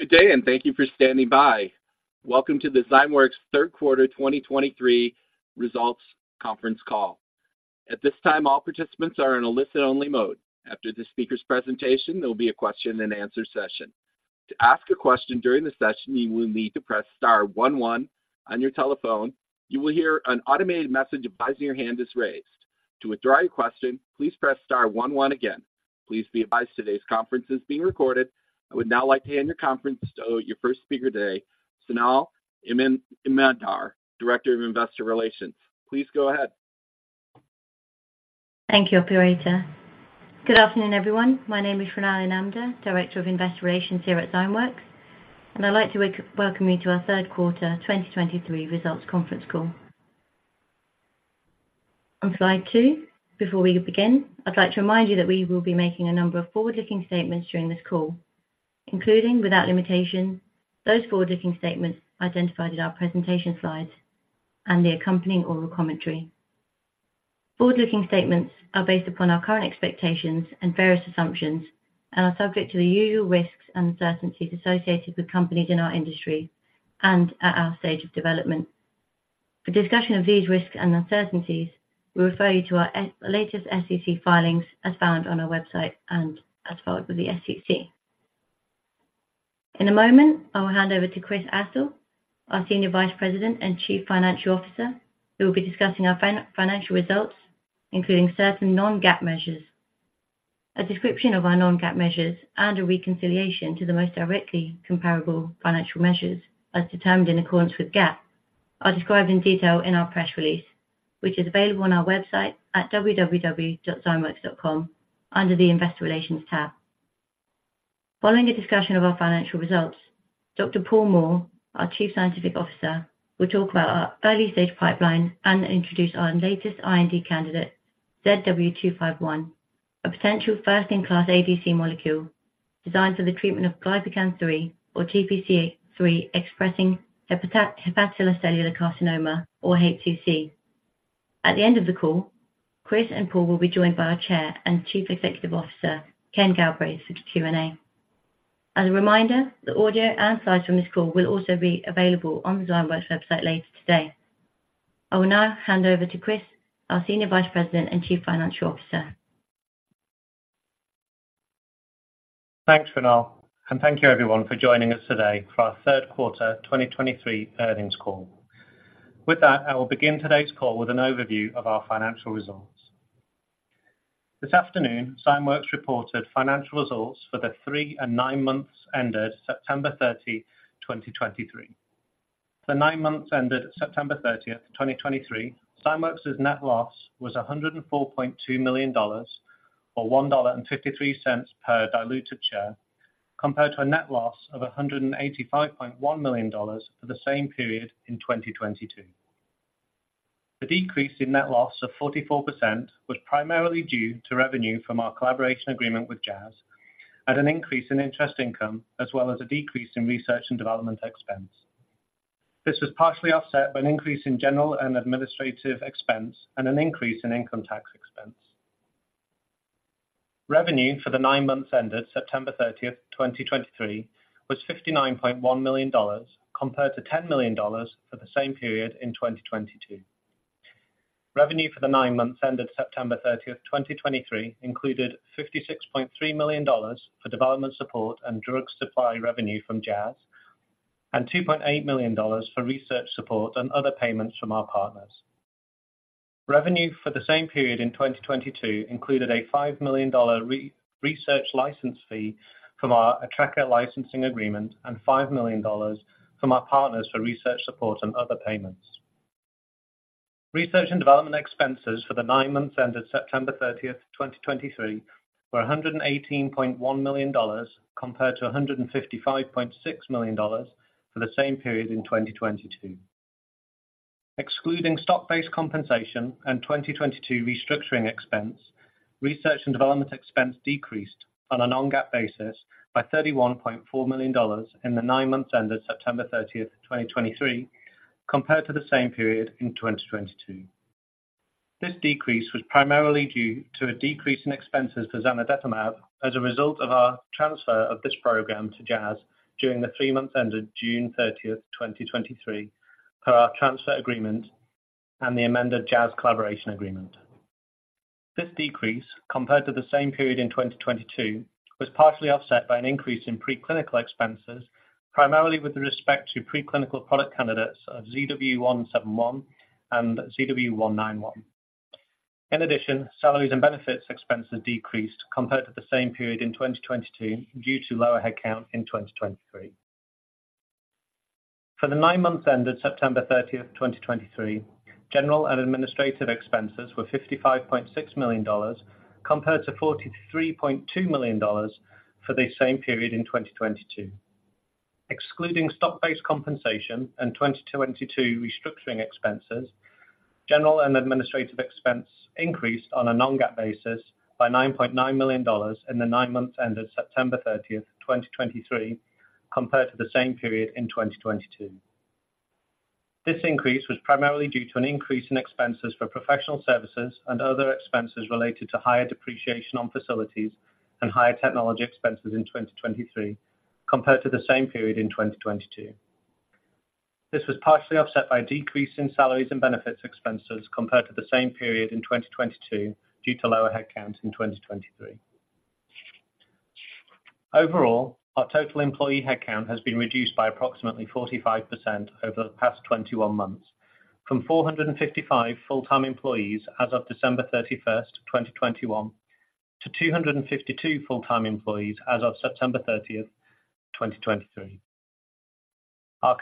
Good day, and thank you for standing by. Welcome to the Zymeworks Q3 2023 Results Conference Call. At this time, all participants are in a listen-only mode. After the speaker's presentation, there'll be a question and answer session. To ask a question during the session, you will need to press star one one on your telephone. You will hear an automated message advising your hand is raised. To withdraw your question, please press star one one again. Please be advised today's conference is being recorded. I would now like to hand the conference to your first speaker today, Shrinal Inamdar, Director of Investor Relations. Please go ahead. Thank you, operator. Good afternoon, everyone. My name is Shrinal Inamdar, Director of Investor Relations here at Zymeworks, and I'd like to welcome you to our Q3 2023 results conference call. On slide two, before we begin, I'd like to remind you that we will be making a number of forward-looking statements during this call, including, without limitation, those forward-looking statements identified in our presentation slides and the accompanying oral commentary. Forward-looking statements are based upon our current expectations and various assumptions and are subject to the usual risks and uncertainties associated with companies in our industry and at our stage of development. For discussion of these risks and uncertainties, we refer you to our latest SEC filings, as found on our website and as filed with the SEC. In a moment, I will hand over to Christopher Astle, our Senior Vice President and Chief Financial Officer, who will be discussing our financial results, including certain non-GAAP measures. A description of our non-GAAP measures and a reconciliation to the most directly comparable financial measures, as determined in accordance with GAAP, are described in detail in our press release, which is available on our website at www.zymeworks.com under the Investor Relations tab. Following a discussion of our financial results, Dr. Paul Moore, our Chief Scientific Officer, will talk about our early-stage pipeline and introduce our latest IND candidate, ZW251, a potential first-in-class ADC molecule designed for the treatment of Glypican-3, or GPC3, expressing hepatocellular carcinoma, or HCC. At the end of the call, Chris and Paul will be joined by our Chair and Chief Executive Officer, Kenneth Galbraith, for the Q&A. As a reminder, the audio and slides from this call will also be available on the Zymeworks website later today. I will now hand over to Chris, our Senior Vice President and Chief Financial Officer. Thanks, Shrinal, and thank you everyone for joining us today for our Q3 2023 Earnings Call. With that, I will begin today's call with an overview of our financial results. This afternoon, Zymeworks reported financial results for the three and nine months ended September 30, 2023. The nine months ended September 30, 2023, Zymeworks's net loss was $104.2 million, or $1.53 per diluted share, compared to a net loss of $185.1 million for the same period in 2022. The decrease in net loss of 44% was primarily due to revenue from our collaboration agreement with Jazz and an increase in interest income, as well as a decrease in research and development expense. This was partially offset by an increase in general and administrative expense and an increase in income tax expense. Revenue for the nine months ended September 30, 2023, was $59.1 million, compared to $10 million for the same period in 2022. Revenue for the nine months ended September 30, 2023, included $56.3 million for development, support, and drug supply revenue from Jazz and $2.8 million for research support and other payments from our partners. Revenue for the same period in 2022 included a $5 million research license fee from our Atreca licensing agreement and $5 million from our partners for research support and other payments. Research and development expenses for the nine months ended September 30, 2023, were $118.1 million, compared to $155.6 million for the same period in 2022. Excluding stock-based compensation and 2022 restructuring expense, research and development expense decreased on a non-GAAP basis by $31.4 million in the nine months ended September 30, 2023, compared to the same period in 2022. This decrease was primarily due to a decrease in expenses to Zanidatamab as a result of our transfer of this program to Jazz during the three months ended June 30, 2023, per our transfer agreement and the amended Jazz collaboration agreement. This decrease, compared to the same period in 2022, was partially offset by an increase in preclinical expenses, primarily with respect to preclinical product candidates of ZW171 and ZW191. In addition, salaries and benefits expenses decreased compared to the same period in 2022 due to lower headcount in 2023. For the nine months ended September 30, 2023, general and administrative expenses were $55.6 million, compared to $43.2 million for the same period in 2022. Excluding stock-based compensation and 2022 restructuring expenses, general and administrative expense increased on a non-GAAP basis by $9.9 million in the nine months ended September 30, 2023, compared to the same period in 2022. This increase was primarily due to an increase in expenses for professional services and other expenses related to higher depreciation on facilities and higher technology expenses in 2023, compared to the same period in 2022. This was partially offset by a decrease in salaries and benefits expenses compared to the same period in 2022, due to lower headcount in 2023. Overall, our total employee headcount has been reduced by approximately 45% over the past 21 months, from 455 full-time employees as of December 31, 2021, to 252 full-time employees as of September 30, 2023. Our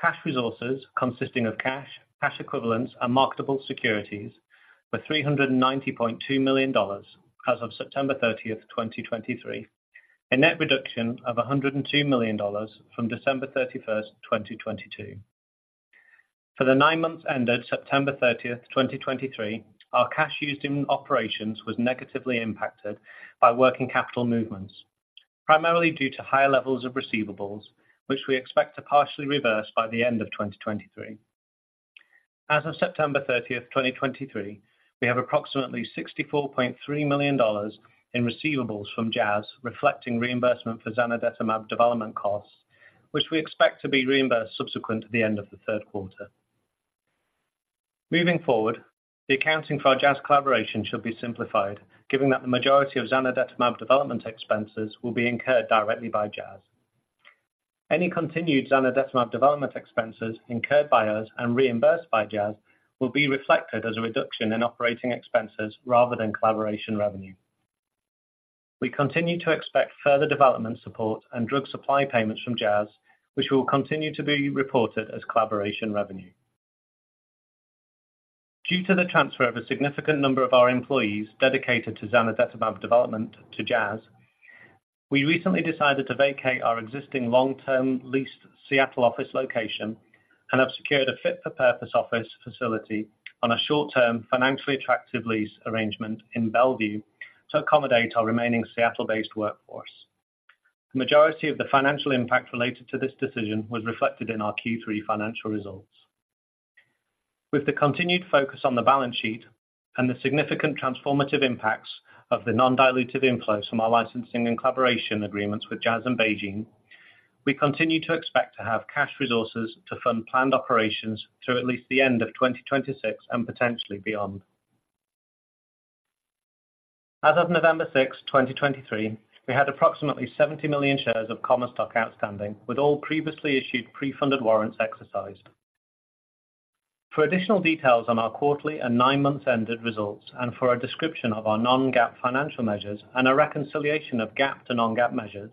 cash resources, consisting of cash, cash equivalents, and marketable securities, were $390.2 million as of September 30, 2023, a net reduction of $102 million from December 31, 2022. For the nine months ended September 30, 2023, our cash used in operations was negatively impacted by working capital movements, primarily due to higher levels of receivables, which we expect to partially reverse by the end of 2023. As of September 30, 2023, we have approximately $64.3 million in receivables from Jazz, reflecting reimbursement for Zanidatamab development costs, which we expect to be reimbursed subsequent to the end of the Q3. Moving forward, the accounting for our Jazz collaboration should be simplified, given that the majority of Zanidatamab development expenses will be incurred directly by Jazz. Any continued Zanidatamab development expenses incurred by us and reimbursed by Jazz will be reflected as a reduction in operating expenses rather than collaboration revenue. We continue to expect further development support and drug supply payments from Jazz, which will continue to be reported as collaboration revenue. Due to the transfer of a significant number of our employees dedicated to Zanidatamab development to Jazz, we recently decided to vacate our existing long-term leased Seattle office location and have secured a fit-for-purpose office facility on a short-term, financially attractive lease arrangement in Bellevue to accommodate our remaining Seattle-based workforce. The majority of the financial impact related to this decision was reflected in our Q3 financial results. With the continued focus on the balance sheet and the significant transformative impacts of the non-dilutive inflows from our licensing and collaboration agreements with Jazz and BeiGene, we continue to expect to have cash resources to fund planned operations through at least the end of 2026 and potentially beyond. As of November 6, 2023, we had approximately 70 million shares of common stock outstanding, with all previously issued pre-funded warrants exercised. For additional details on our quarterly and nine-month ended results, and for a description of our non-GAAP financial measures and a reconciliation of GAAP to non-GAAP measures,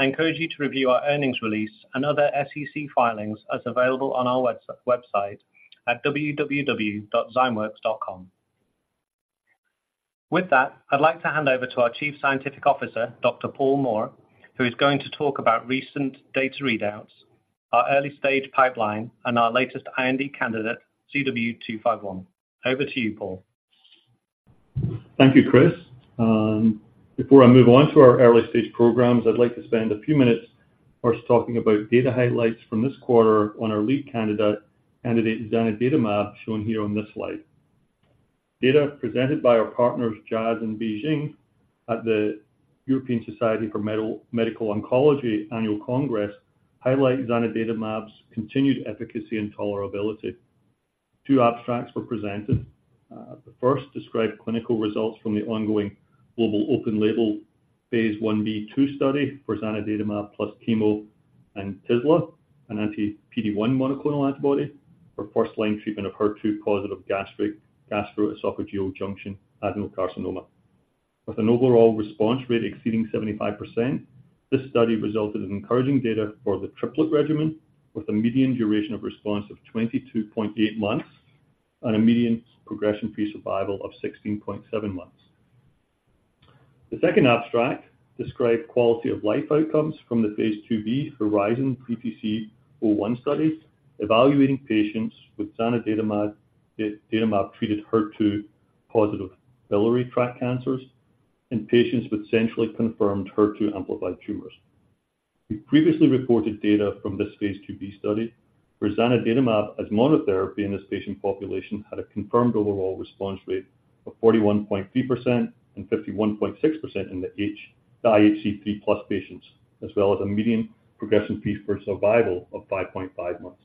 I encourage you to review our earnings release and other SEC filings as available on our website at www.zymeworks.com. With that, I'd like to hand over to our Chief Scientific Officer, Dr. Paul Moore, who is going to talk about recent data readouts, our early-stage pipeline, and our latest IND candidate, ZW251. Over to you, Paul. Thank you, Chris. Before I move on to our early-stage programs, I'd like to spend a few minutes first talking about data highlights from this quarter on our lead candidate Zanidatamab, shown here on this slide. Data presented by our partners, Jazz and BeiGene, at the European Society for Medical Oncology Annual Congress, highlight Zanidatamab's continued efficacy and tolerability. Two abstracts were presented. The first described clinical results from the ongoing global open-label phase Ib/2 study for Zanidatamab plus chemo and Tislelizumab, an Anti-PD-1 monoclonal antibody, for first-line treatment of HER2-positive gastroesophageal junction adenocarcinoma. With an overall response rate exceeding 75%, this study resulted in encouraging data for the triplet regimen, with a median duration of response of 22.8 months and a median progression-free survival of 16.7 months. The second abstract described quality of life outcomes from the phase IIb HERIZON-BTC-01 studies, evaluating patients with Zanidatamab, Zanidatamab-treated HER2-positive biliary tract cancers in patients with centrally confirmed HER2-amplified tumors. We previously reported data from this phase IIb study, where Zanidatamab as monotherapy in this patient population, had a confirmed overall response rate of 41.3% and 51.6% in the IHC 3+ patients, as well as a median progression-free survival of 5.5 months.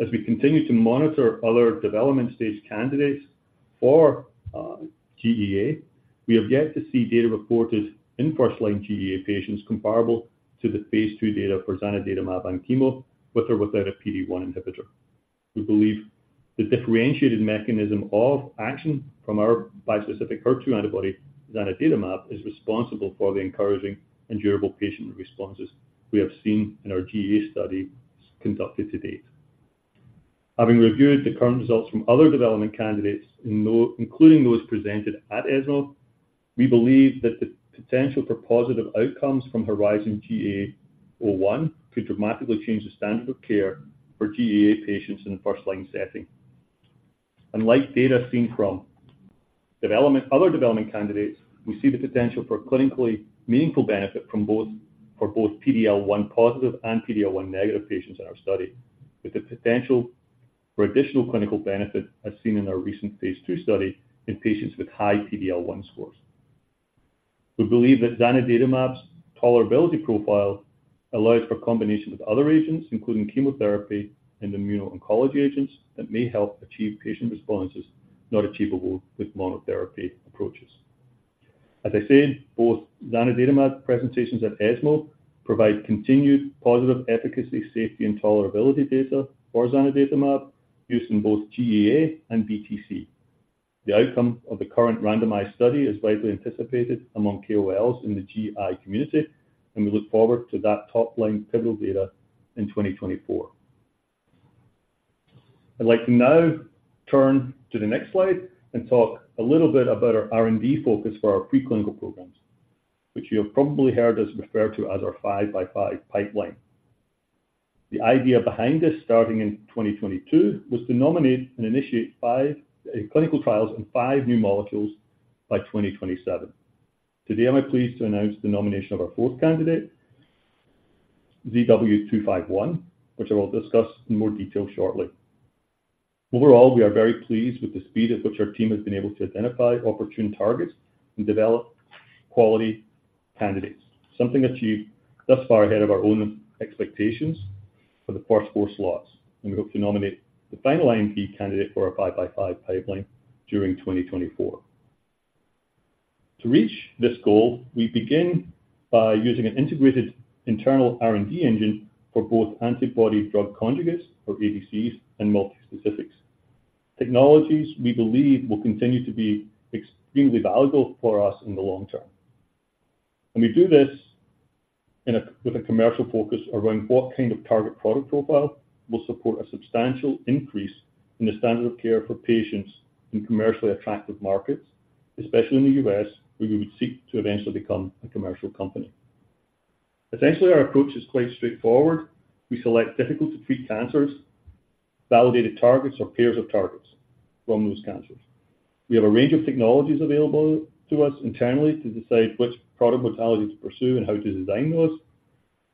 As we continue to monitor other development stage candidates for GEA, we have yet to see data reported in first-line GEA patients comparable to the phase two data for Zanidatamab and chemo, with or without a PD-1 inhibitor. We believe the differentiated mechanism of action from our bispecific HER2 antibody, Zanidatamab, is responsible for the encouraging and durable patient responses we have seen in our GEA study conducted to date. Having reviewed the current results from other development candidates, including those presented at ESMO, we believe that the potential for positive outcomes from HERIZON-GEA-01 could dramatically change the standard of care for GEA patients in a first-line setting. Unlike data seen from other development candidates, we see the potential for clinically meaningful benefit for both PD-L1 positive and PD-L1 negative patients in our study, with the potential for additional clinical benefit as seen in our recent phase II study in patients with high PD-L1 scores. We believe that Zanidatamab's tolerability profile allows for combination with other agents, including chemotherapy and immuno-oncology agents, that may help achieve patient responses not achievable with monotherapy approaches. As I said, both Zanidatamab presentations at ESMO provide continued positive efficacy, safety, and tolerability data for Zanidatamab used in both GEA and BTC. The outcome of the current randomized study is widely anticipated among KOLs in the GI community, and we look forward to that top-line pivotal data in 2024. I'd like to now turn to the next slide and talk a little bit about our R&D focus for our preclinical programs, which you have probably heard us refer to as our five-by-five pipeline. The idea behind this, starting in 2022, was to nominate and initiate five clinical trials and five new molecules by 2027. Today, I'm pleased to announce the nomination of our fourth candidate, ZW251, which I will discuss in more detail shortly. Overall, we are very pleased with the speed at which our team has been able to identify opportune targets and develop quality candidates, something achieved thus far ahead of our own expectations for the first four slots, and we hope to nominate the final IMT candidate for our five-by-five pipeline during 2024. To reach this goal, we begin by using an integrated internal R&D engine for both antibody drug conjugates, or ADCs, and multispecifics. Technologies, we believe, will continue to be extremely valuable for us in the long term. And we do this in a... With a commercial focus around what kind of target product profile will support a substantial increase in the standard of care for patients in commercially attractive markets, especially in the U.S., where we would seek to eventually become a commercial company. Essentially, our approach is quite straightforward. We select difficult to treat cancers, validated targets or pairs of targets from those cancers. We have a range of technologies available to us internally to decide which product modality to pursue and how to design those.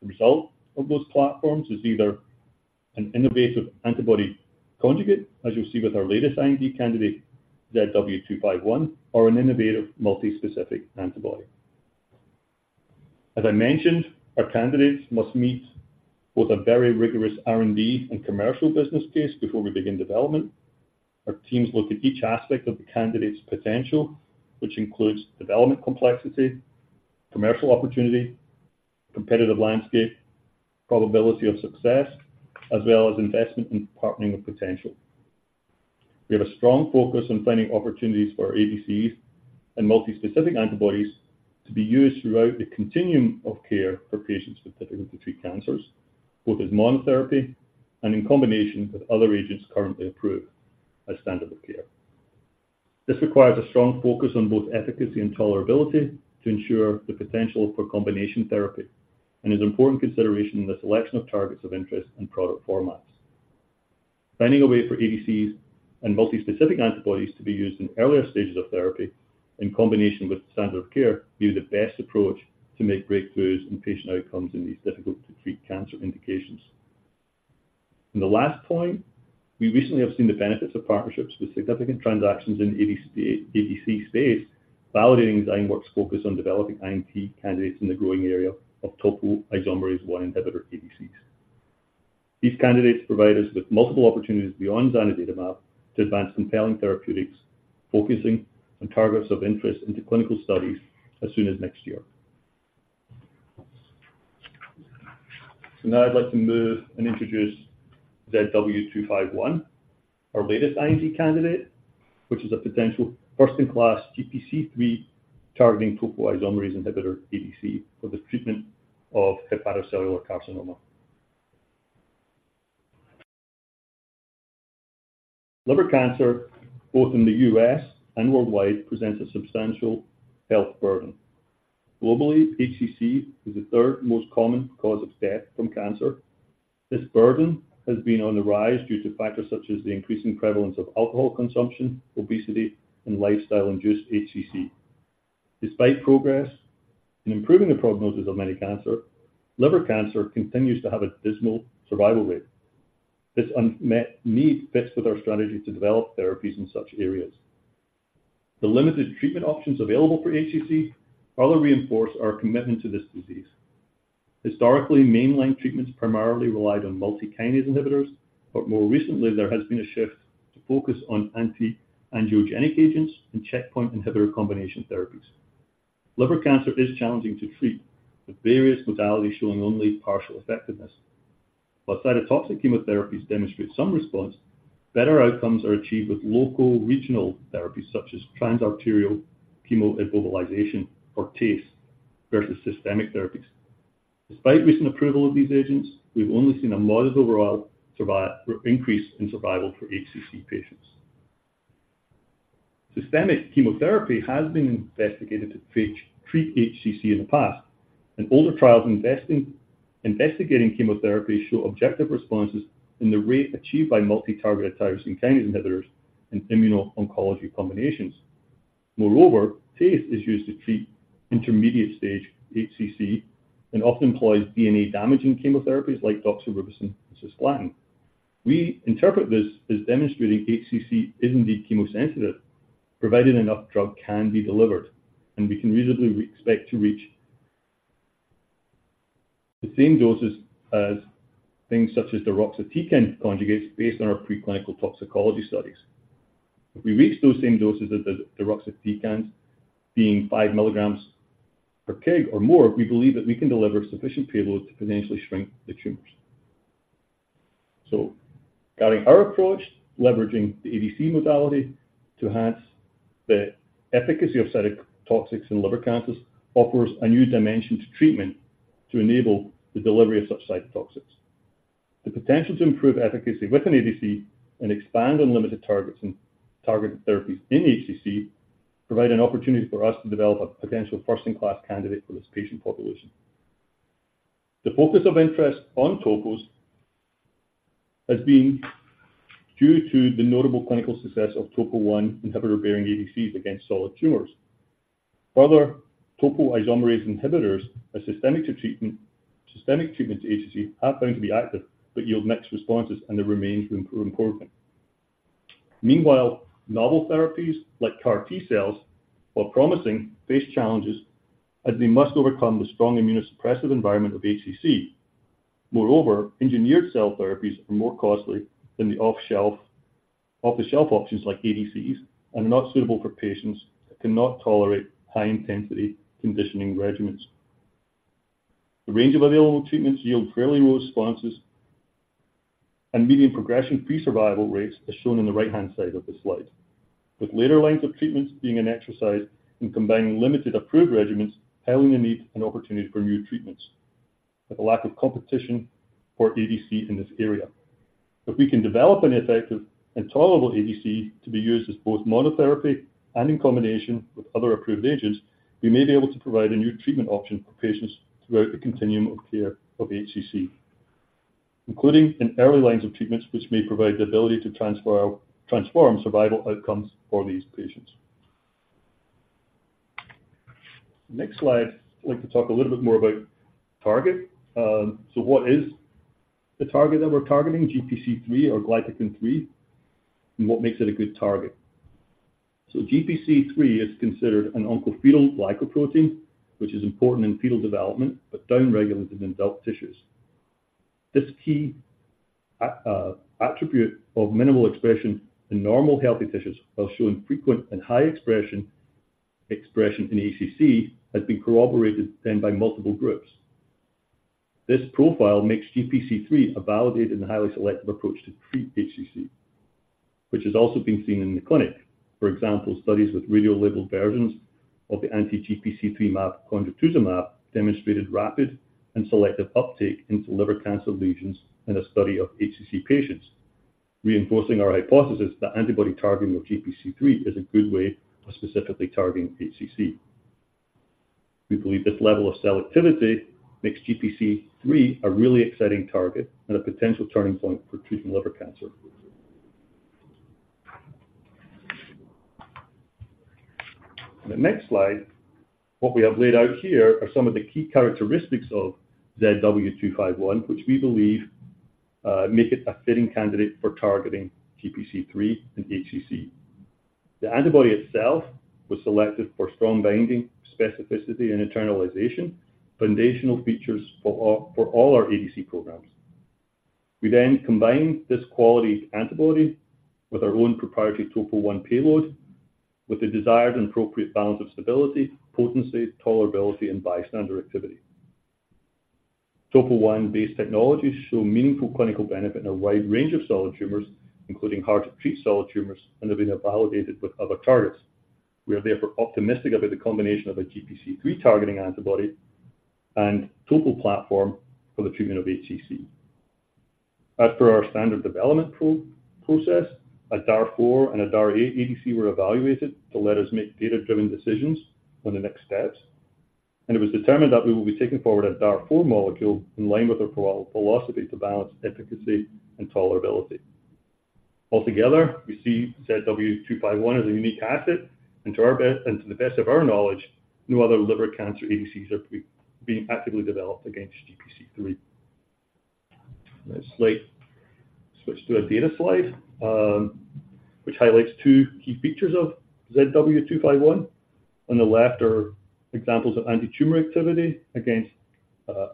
The result of those platforms is either an innovative antibody conjugate, as you'll see with our latest ADC candidate, ZW251, or an innovative multispecific antibody. As I mentioned, our candidates must meet both a very rigorous R&D and commercial business case before we begin development. Our teams look at each aspect of the candidate's potential, which includes development complexity, commercial opportunity, competitive landscape, probability of success, as well as investment and partnering potential. We have a strong focus on finding opportunities for ADCs and multispecific antibodies to be used throughout the continuum of care for patients with difficult to treat cancers, both as monotherapy and in combination with other agents currently approved as standard of care. This requires a strong focus on both efficacy and tolerability to ensure the potential for combination therapy, and is an important consideration in the selection of targets of interest and product formats. Finding a way for ADCs and multispecific antibodies to be used in earlier stages of therapy in combination with standard of care, will be the best approach to make breakthroughs in patient outcomes in these difficult to treat cancer indications. The last point, we recently have seen the benefits of partnerships with significant transactions in ADC, ADC space, validating Zai Lab's focus on developing IMT candidates in the growing area of Topoisomerase inhibitor ADCs. These candidates provide us with multiple opportunities beyond Zanidatamab to advance compelling therapeutics, focusing on targets of interest into clinical studies as soon as next year. Now I'd like to move and introduce ZW251, our latest IMT candidate, which is a potential first-in-class GPC3 targeting topoisomerase inhibitor ADC for the treatment of hepatocellular carcinoma. Liver cancer, both in the U.S. and worldwide, presents a substantial health burden. Globally, HCC is the third most common cause of death from cancer. This burden has been on the rise due to factors such as the increasing prevalence of alcohol consumption, obesity, and lifestyle-induced HCC. Despite progress in improving the prognosis of many cancers, liver cancer continues to have a dismal survival rate. This unmet need fits with our strategy to develop therapies in such areas. The limited treatment options available for HCC further reinforce our commitment to this disease. Historically, first-line treatments primarily relied on multikinase inhibitors, but more recently, there has been a shift to focus on anti-angiogenic agents and checkpoint inhibitor combination therapies. Liver cancer is challenging to treat, with various modalities showing only partial effectiveness. While cytotoxic chemotherapies demonstrate some response, better outcomes are achieved with local, regional therapies such as transarterial chemoembolization, or TACE, versus systemic therapies. Despite recent approval of these agents, we've only seen a modest overall survival increase in survival for HCC patients.... Systemic chemotherapy has been investigated to treat HCC in the past, and older trials investigating chemotherapy show objective responses in the rate achieved by multi-targeted tyrosine kinase inhibitors and immuno-oncology combinations. Moreover, TACE is used to treat intermediate stage HCC and often employs DNA-damaging chemotherapies like doxorubicin and cisplatin. We interpret this as demonstrating HCC is indeed chemosensitive, provided enough drug can be delivered, and we can reasonably expect to reach the same doses as things such as the deruxtecan conjugates based on our preclinical toxicology studies. If we reach those same doses as the deruxtecan, being 5 milligrams per kg or more, we believe that we can deliver sufficient payload to potentially shrink the tumors. So guiding our approach, leveraging the ADC modality to enhance the efficacy of cytotoxics in liver cancers, offers a new dimension to treatment to enable the delivery of such cytotoxics. The potential to improve efficacy with an ADC and expand on limited targets in targeted therapies in HCC provide an opportunity for us to develop a potential first-in-class candidate for this patient population. The focus of interest on TOPOs has been due to the notable clinical success of TOPO1 inhibitor-bearing ADCs against solid tumors. Other topoisomerase inhibitors as systemic treatment to HCC have been found to be active, but yield mixed responses, and there remains room for improvement. Meanwhile, novel therapies like CAR T-cells, while promising, face challenges as they must overcome the strong immunosuppressive environment of HCC. Moreover, engineered cell therapies are more costly than the off-the-shelf options like ADCs, and not suitable for patients that cannot tolerate high-intensity conditioning regimens. The range of available treatments yield fairly low responses, and median progression-free survival rates are shown on the right-hand side of the slide, with later lines of treatments being an exercise in combining limited approved regimens, highlighting a need and opportunity for new treatments, with a lack of competition for ADC in this area. If we can develop an effective and tolerable ADC to be used as both monotherapy and in combination with other approved agents, we may be able to provide a new treatment option for patients throughout the continuum of care of HCC, including in early lines of treatments, which may provide the ability to transform survival outcomes for these patients. Next slide, I'd like to talk a little bit more about target. So what is the target that we're targeting, GPC3 or Glypican-3, and what makes it a good target? GPC3 is considered an oncofetal glycoprotein, which is important in fetal development, but downregulated in adult tissues. This key, attribute of minimal expression in normal, healthy tissues, while showing frequent and high expression in HCC, has been corroborated then by multiple groups. This profile makes GPC3 a validated and highly selective approach to treat HCC, which has also been seen in the clinic. For example, studies with radiolabeled versions of the anti-GPC3 mAb, codrituzumab, demonstrated rapid and selective uptake into liver cancer lesions in a study of HCC patients, reinforcing our hypothesis that antibody targeting of GPC3 is a good way of specifically targeting HCC. We believe this level of selectivity makes GPC3 a really exciting target and a potential turning point for treating liver cancer. On the next slide, what we have laid out here are some of the key characteristics of ZW251, which we believe make it a fitting candidate for targeting GPC3 and HCC. The antibody itself was selected for strong binding, specificity, and internalization, foundational features for all, for all our ADC programs. We then combined this quality antibody with our own proprietary TOPO1 payload, with the desired and appropriate balance of stability, potency, tolerability, and bystander activity. TOPO1-based technologies show meaningful clinical benefit in a wide range of solid tumors, including hard-to-treat solid tumors, and have been validated with other targets. We are therefore optimistic about the combination of a GPC3 targeting antibody and TOPO platform for the treatment of HCC. As per our standard development process, a DAR4 and a DAR8 ADC were evaluated to let us make data-driven decisions on the next steps, and it was determined that we will be taking forward a DAR4 molecule in line with our philosophy to balance efficacy and tolerability. Altogether, we see ZW251 as a unique asset, and to the best of our knowledge, no other liver cancer ADCs are being actively developed against GPC3. Next slide. Switch to a data slide, which highlights two key features of ZW251. On the left are examples of antitumor activity against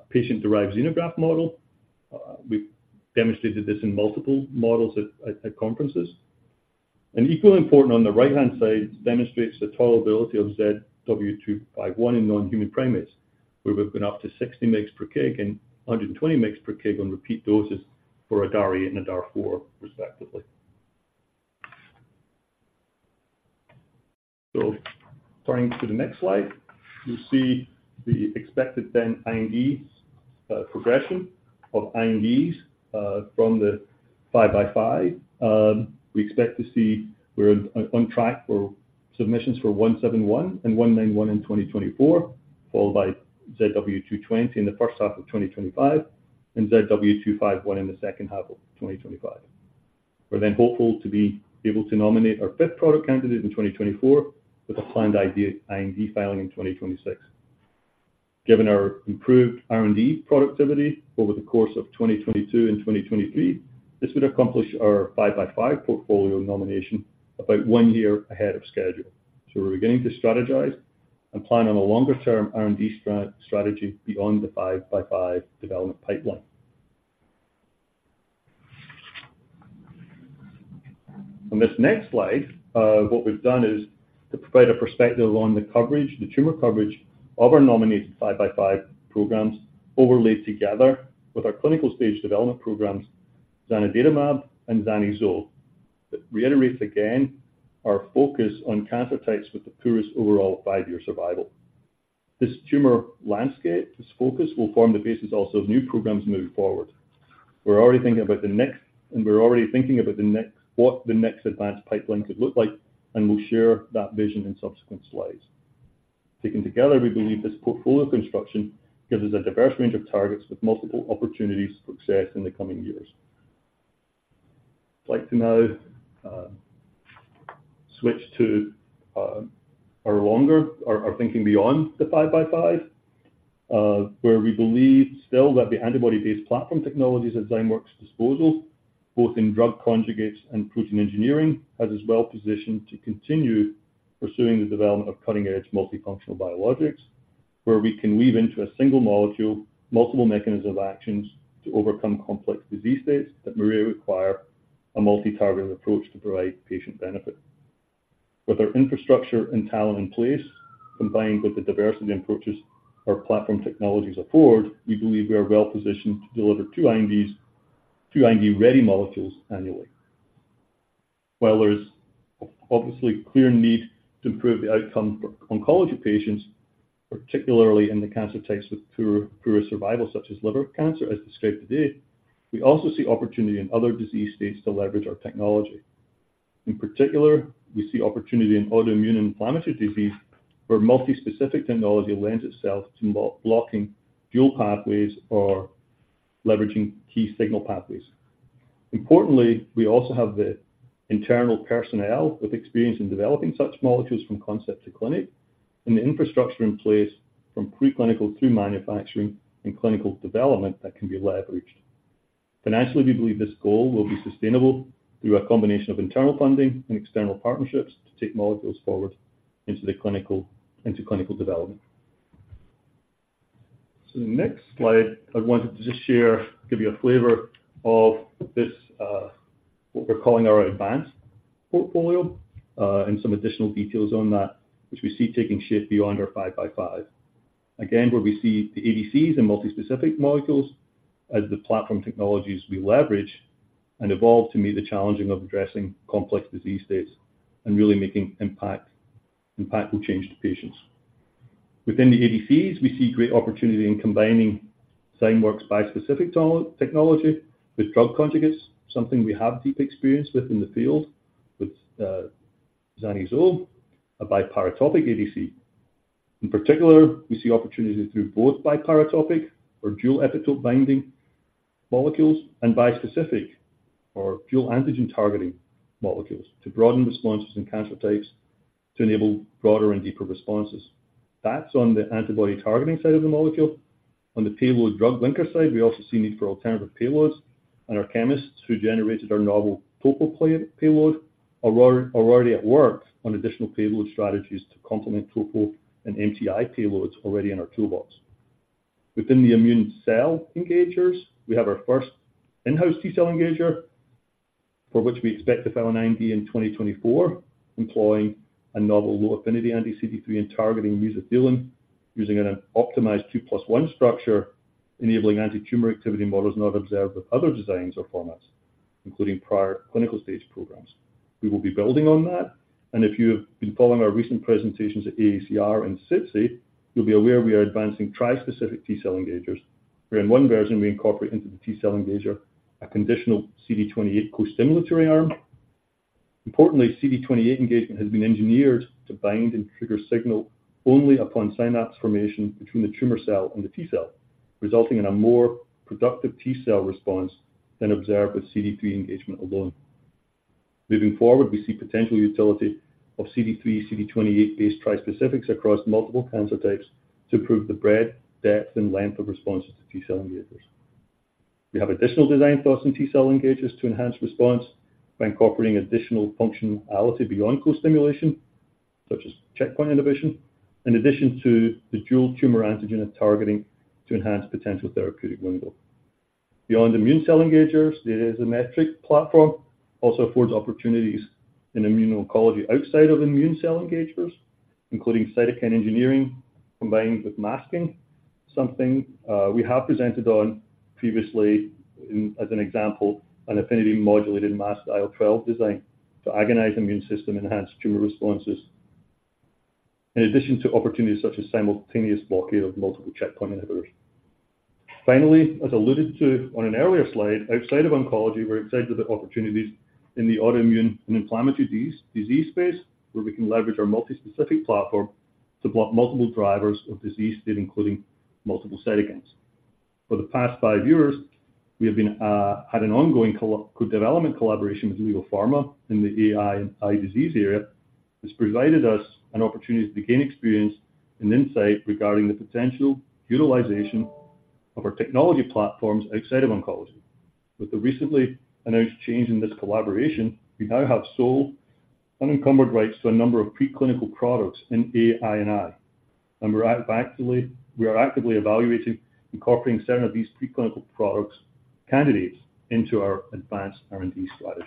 patient-derived xenograft model. We've demonstrated this in multiple models at conferences. Equally important, on the right-hand side, demonstrates the tolerability of ZW251 in non-human primates, where we've been up to 60 mg/kg and 120 mg/kg on repeat doses for a DAR8 and a DAR4, respectively. Turning to the next slide, you see the expected IND progression of INDs from the five-by-five. We expect to see we're on track for submissions for ZW171 and ZW191 in 2024, followed by ZW220 in the first half of 2025, and ZW251 in the second half of 2025. We're then hopeful to be able to nominate our fifth product candidate in 2024, with a planned IND filing in 2026. Given our improved R&D productivity over the course of 2022 and 2023, this would accomplish our five-by-five portfolio nomination about one year ahead of schedule. We're beginning to strategize and plan on a longer-term R&D strategy beyond the five-by-five development pipeline. On this next slide, what we've done is to provide a perspective on the coverage, the tumor coverage of our nominated five-by-five programs, overlaid together with our clinical stage development programs, Zanidatamab and ZW49, that reiterates again, our focus on cancer types with the poorest overall five-year survival. This tumor landscape, this focus, will form the basis also of new programs moving forward. We're already thinking about what the next advanced pipeline could look like, and we'll share that vision in subsequent slides. Taken together, we believe this portfolio construction gives us a diverse range of targets with multiple opportunities for success in the coming years. I'd like to now switch to our longer thinking beyond the five-by-five, where we believe still that the antibody-based platform technologies at Zymeworks disposal, both in drug conjugates and protein engineering, has us well-positioned to continue pursuing the development of cutting-edge multifunctional biologics, where we can weave into a single molecule, multiple mechanism of actions to overcome complex disease states that may require a multi-targeting approach to provide patient benefit. With our infrastructure and talent in place, combined with the diversity approaches our platform technologies afford, we believe we are well positioned to deliver 2 INDs, 2 IND-ready molecules annually. While there's obviously clear need to improve the outcome for oncology patients, particularly in the cancer types with poorer survival, such as liver cancer, as described today, we also see opportunity in other disease states to leverage our technology. In particular, we see opportunity in autoimmune inflammatory disease, where multispecific technology lends itself to blocking dual pathways or leveraging key signal pathways. Importantly, we also have the internal personnel with experience in developing such molecules from concept to clinic, and the infrastructure in place from preclinical through manufacturing and clinical development that can be leveraged. Financially, we believe this goal will be sustainable through a combination of internal funding and external partnerships to take molecules forward into clinical development. So the next slide, I wanted to just share, give you a flavor of this, what we're calling our advanced portfolio, and some additional details on that, which we see taking shape beyond our five-by-five. Again, where we see the ADCs and multispecific molecules as the platform technologies we leverage and evolve to meet the challenging of addressing complex disease states and really making impact, impactful change to patients. Within the ADCs, we see great opportunity in combining Zymeworks bispecific Azymetric technology with drug conjugates, something we have deep experience with in the field with zanuzole, a biparatopic ADC. In particular, we see opportunities through both biparatopic or dual epitope binding molecules, and bispecific or dual antigen targeting molecules to broaden responses in cancer types to enable broader and deeper responses. That's on the antibody targeting side of the molecule. On the payload drug linker side, we also see need for alternative payloads, and our chemists, who generated our novel topo payload, are already at work on additional payload strategies to complement topo and MTI payloads already in our toolbox. Within the immune cell engagers, we have our first in-house T-cell engager, for which we expect to file an IND in 2024, employing a novel low-affinity anti-CD3 and targeting Muzafelin, using an optimized 2+1 structure, enabling antitumor activity models not observed with other designs or formats, including prior clinical stage programs. We will be building on that, and if you have been following our recent presentations at AACR and SITC, you'll be aware we are advancing tri-specific T-cell engagers, where in one version, we incorporate into the T-cell engager, a conditional CD28 co-stimulatory arm. Importantly, CD28 engagement has been engineered to bind and trigger signal only upon synapse formation between the tumor cell and the T-cell, resulting in a more productive T-cell response than observed with CD3 engagement alone. Moving forward, we see potential utility of CD3, CD28-based tri-specifics across multiple cancer types to improve the breadth, depth, and length of responses to T-cell engagers. We have additional design thoughts in T-cell engagers to enhance response by incorporating additional functionality beyond co-stimulation, such as checkpoint inhibition, in addition to the dual tumor antigen of targeting to enhance potential therapeutic window. Beyond immune cell engagers, the Azymetric platform also affords opportunities in immuno-oncology outside of immune cell engagers, including cytokine engineering combined with masking.... we have presented on previously in, as an example, an affinity-modulated masked IL-12 design to agonize immune system, enhance tumor responses, in addition to opportunities such as simultaneous blockade of multiple checkpoint inhibitors. Finally, as alluded to on an earlier slide, outside of oncology, we're excited at the opportunities in the autoimmune and inflammatory disease space, where we can leverage our multispecific platform to block multiple drivers of disease state, including multiple cytokines. For the past five years, we have had an ongoing co-development collaboration with LEO Pharma in the AI and I disease area, which provided us an opportunity to gain experience and insight regarding the potential utilization of our technology platforms outside of oncology. With the recently announced change in this collaboration, we now have sole unencumbered rights to a number of preclinical products in AI and I. And we're actively, we are actively evaluating incorporating certain of these preclinical product candidates into our advanced R&D slide.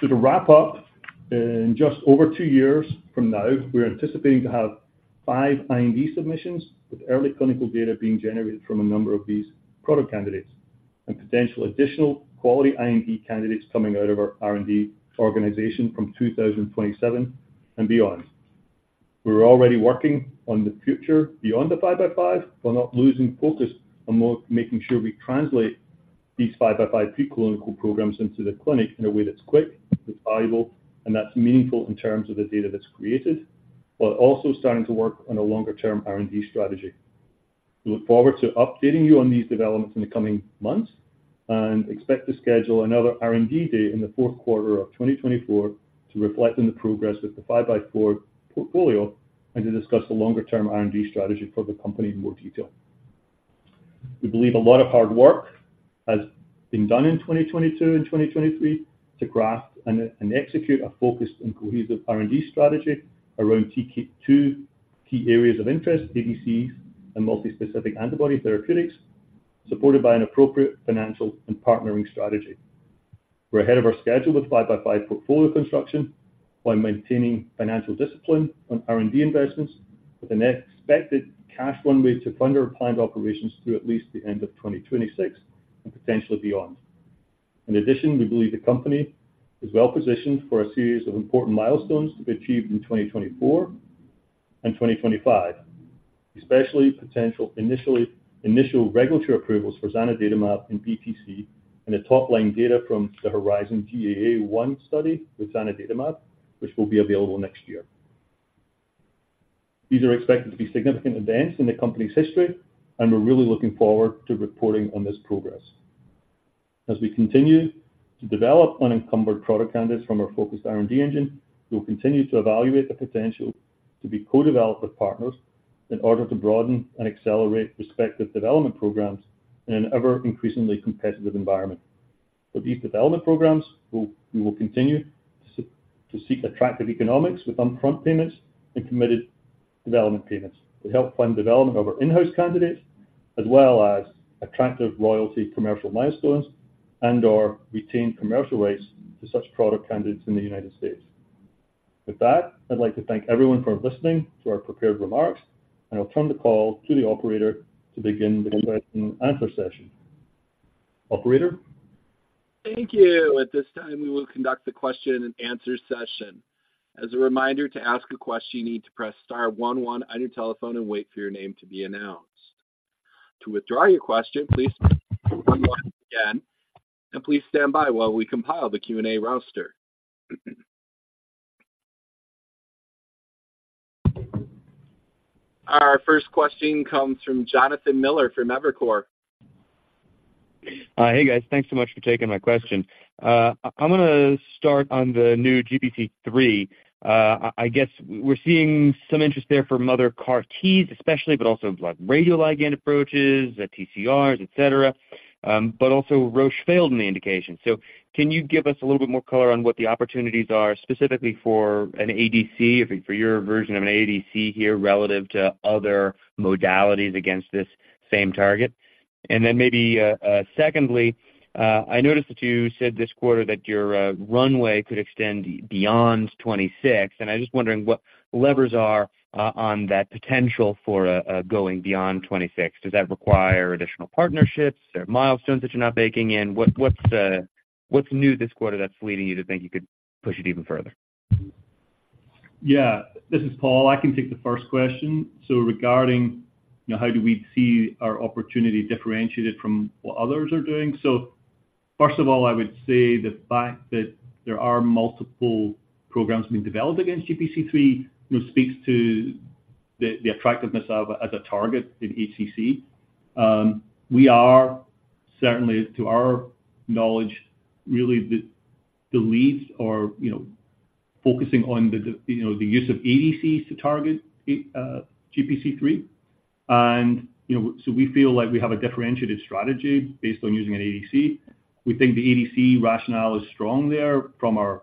So to wrap up, in just over 2 years from now, we're anticipating to have 5 IND submissions, with early clinical data being generated from a number of these product candidates, and potential additional quality IND candidates coming out of our R&D organization from 2027 and beyond. We're already working on the future beyond the five-by-five, while not losing focus on more making sure we translate these five-by-five preclinical programs into the clinic in a way that's quick, that's valuable, and that's meaningful in terms of the data that's created, but also starting to work on a longer-term R&D strategy. We look forward to updating you on these developments in the coming months, and expect to schedule another R&D day in the fourth quarter of 2024 to reflect on the progress of the five-by-five portfolio, and to discuss the longer-term R&D strategy for the company in more detail. We believe a lot of hard work has been done in 2022 and 2023 to craft and execute a focused and cohesive R&D strategy around two key areas of interest, ADCs and multispecific antibody therapeutics, supported by an appropriate financial and partnering strategy. We're ahead of our schedule with five-by-five portfolio construction, while maintaining financial discipline on R&D investments, with an expected cash runway to fund our planned operations through at least the end of 2026, and potentially beyond. In addition, we believe the company is well positioned for a series of important milestones to be achieved in 2024 and 2025, especially potential initial regulatory approvals for Zanidatamab in BTC, and the top-line data from the HERIZON-GEA-01 study with Zanidatamab, which will be available next year. These are expected to be significant events in the company's history, and we're really looking forward to reporting on this progress. As we continue to develop unencumbered product candidates from our focused R&D engine, we'll continue to evaluate the potential to be co-developer partners in order to broaden and accelerate respective development programs in an ever-increasingly competitive environment. For these development programs, we will continue to seek attractive economics with upfront payments and committed development payments to help fund development of our in-house candidates, as well as attractive royalty commercial milestones and/or retain commercial rights to such product candidates in the US. With that, I'd like to thank everyone for listening to our prepared remarks, and I'll turn the call to the operator to begin the question and answer session. Operator? Thank you. At this time, we will conduct the question and answer session. As a reminder, to ask a question, you need to press star one one on your telephone and wait for your name to be announced. To withdraw your question, please press one one again, and please stand by while we compile the Q&A roster. Our first question comes from Jonathan Miller, from Evercore. Hey, guys. Thanks so much for taking my question. I'm gonna start on the new GPC3. I guess we're seeing some interest there from other CAR-Ts, especially, but also, like, radioligand approaches, the TCRs, et cetera, but also Roche failed in the indication. So can you give us a little bit more color on what the opportunities are specifically for an ADC, or for your version of an ADC here, relative to other modalities against this same target? And then maybe, secondly, I noticed that you said this quarter that your runway could extend beyond 2026, and I'm just wondering what the levers are on that potential for going beyond 2026. Does that require additional partnerships or milestones that you're not baking in? What's new this quarter that's leading you to think you could push it even further? Yeah. This is Paul. I can take the first question. So regarding, you know, how do we see our opportunity differentiated from what others are doing? So first of all, I would say the fact that there are multiple programs being developed against GPC3, you know, speaks to the attractiveness of as a target in HCC. We are certainly, to our knowledge, really the leads or, you know, focusing on the use of ADCs to target GPC3. And, you know, so we feel like we have a differentiated strategy based on using an ADC. We think the ADC rationale is strong there from our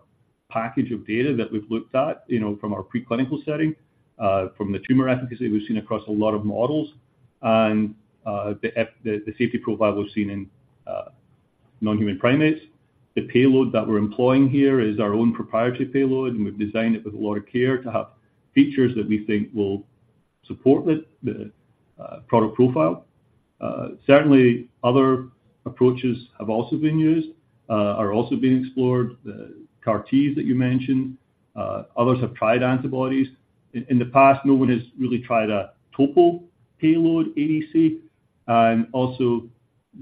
package of data that we've looked at, you know, from our preclinical setting, from the tumor efficacy we've seen across a lot of models, and the safety profile we've seen in HCC. Non-human primates. The payload that we're employing here is our own proprietary payload, and we've designed it with a lot of care to have features that we think will support the product profile. Certainly, other approaches have also been used, are also being explored. The CAR Ts that you mentioned, others have tried antibodies. In the past, no one has really tried a topo payload ADC. And also,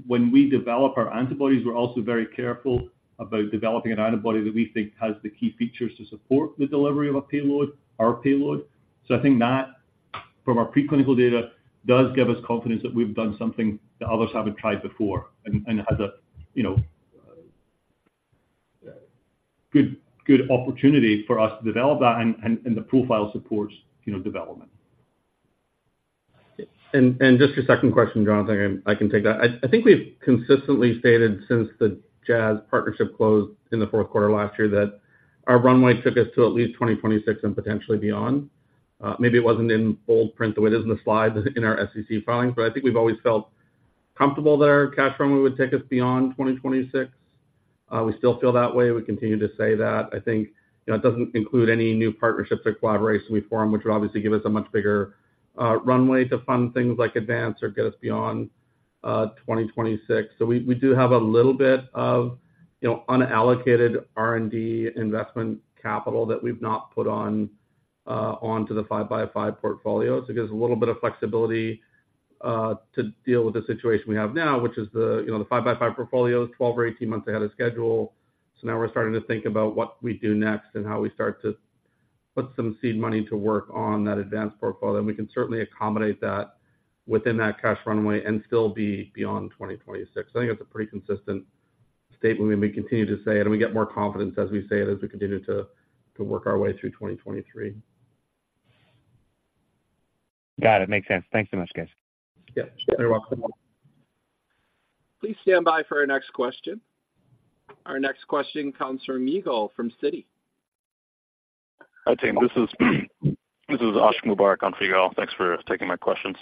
when we develop our antibodies, we're also very careful about developing an antibody that we think has the key features to support the delivery of a payload, our payload. So I think that, from our preclinical data, does give us confidence that we've done something that others haven't tried before and the profile supports, you know, development. Just your second question, Jonathan, I can take that. I think we've consistently stated since the Jazz partnership closed in the fourth quarter last year, that our runway took us to at least 2026 and potentially beyond. Maybe it wasn't in bold print the way it is in the slides in our SEC filings, but I think we've always felt comfortable that our cash runway would take us beyond 2026. We still feel that way. We continue to say that. I think, you know, it doesn't include any new partnerships or collaborations we form, which would obviously give us a much bigger runway to fund things like advance or get us beyond 2026. So we do have a little bit of, you know, unallocated R&D investment capital that we've not put on onto the five-by-five portfolio. So it gives a little bit of flexibility to deal with the situation we have now, which is the, you know, the five-by-five portfolio, 12 or 18 months ahead of schedule. So now we're starting to think about what we do next and how we start to put some seed money to work on that advanced portfolio. And we can certainly accommodate that within that cash runway and still be beyond 2026. I think that's a pretty consistent statement, and we continue to say it, and we get more confidence as we say it, as we continue to work our way through 2023. Got it. Makes sense. Thanks so much, guys. Yeah, you're welcome. Please stand by for our next question. Our next question comes from Yigal from Citi. Hi, team. This is Ash Mubarak on Yigal. Thanks for taking my questions.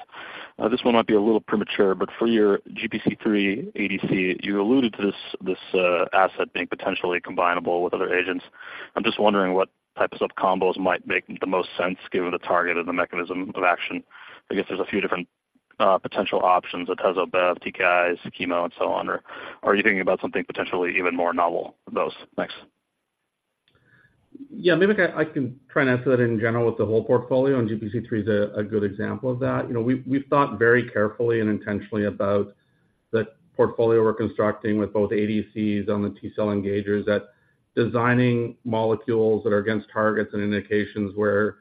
This one might be a little premature, but for your GPC3 ADC, you alluded to this asset being potentially combinable with other agents. I'm just wondering what types of combos might make the most sense given the target and the mechanism of action. I guess there's a few different potential options, Atezo, Bev, TKIs, chemo, and so on. Or are you thinking about something potentially even more novel than those? Thanks. Yeah, maybe I can try and answer that in general with the whole portfolio, and GPC3 is a good example of that. You know, we've thought very carefully and intentionally about the portfolio we're constructing with both ADCs and the T-cell engagers, that designing molecules that are against targets and indications where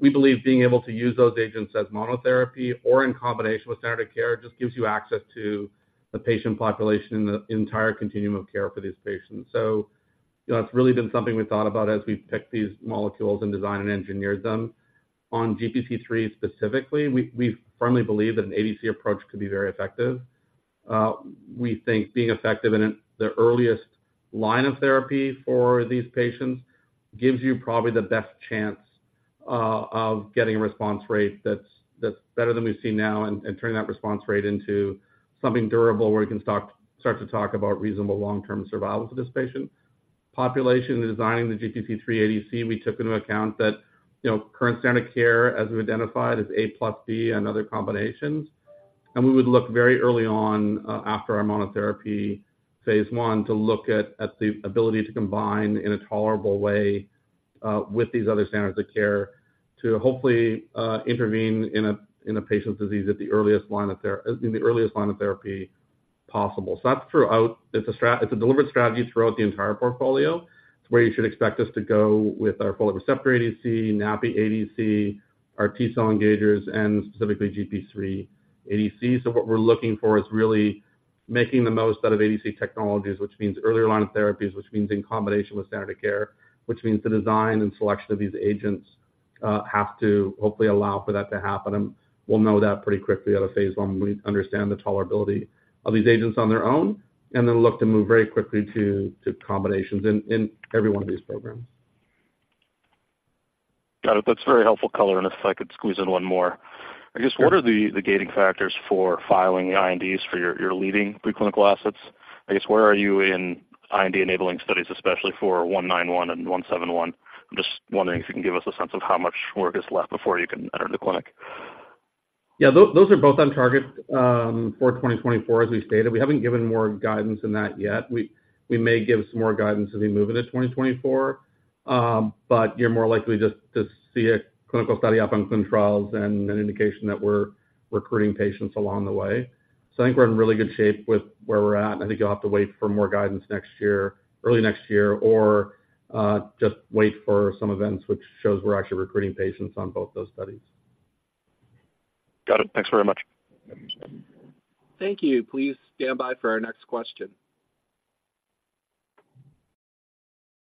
we believe being able to use those agents as monotherapy or in combination with standard care, just gives you access to the patient population in the entire continuum of care for these patients. So that's really been something we thought about as we picked these molecules and designed and engineered them. On GPC3 specifically, we firmly believe that an ADC approach could be very effective. We think being effective in the earliest line of therapy for these patients gives you probably the best chance of getting a response rate that's better than we've seen now, and turning that response rate into something durable where we can start to talk about reasonable long-term survival for this patient population. In designing the GPC3 ADC, we took into account that, you know, current standard care, as we've identified, is A plus B and other combinations. We would look very early on, after our monotherapy phase I, to look at the ability to combine in a tolerable way with these other standards of care, to hopefully intervene in a patient's disease at the earliest line of therapy possible. So that's throughout, it's a deliberate strategy throughout the entire portfolio. It's where you should expect us to go with our Folate Receptor ADC, NaPi-2b ADC, our T-cell engagers, and specifically GPC3 ADCs. So what we're looking for is really making the most out of ADC technologies, which means earlier line of therapies, which means in combination with standard care, which means the design and selection of these agents have to hopefully allow for that to happen. And we'll know that pretty quickly out of phase I, when we understand the tolerability of these agents on their own, and then look to move very quickly to combinations in every one of these programs. Got it. That's a very helpful color, and if I could squeeze in one more. I guess, what are the gating factors for filing the INDs for your leading preclinical assets? I guess, where are you in IND-enabling studies, especially for 191 and 171? I'm just wondering if you can give us a sense of how much work is left before you can enter the clinic. Yeah, those are both on target for 2024, as we've stated. We haven't given more guidance than that yet. We, we may give some more guidance as we move into 2024, but you're more likely just to see a clinical study up on clinical trials and an indication that we're recruiting patients along the way. So I think we're in really good shape with where we're at, and I think you'll have to wait for more guidance next year, early next year, or just wait for some events which shows we're actually recruiting patients on both those studies. Got it. Thanks very much. Thank you. Please stand by for our next question.